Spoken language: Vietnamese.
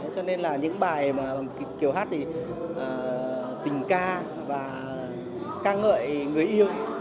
cho nên là những bài mà kiều hát thì tình ca và ca ngợi người yêu